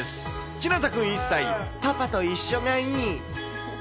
ひなたくん１歳、パパと一緒がいい。